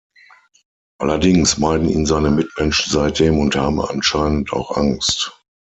Allerdings meiden ihn seine Mitmenschen seitdem und haben anscheinend auch Angst.